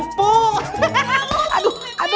bukan mata lokal